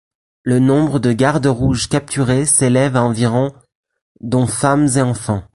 Le nombre de gardes rouges capturés s'élève à environ dont femmes et enfants.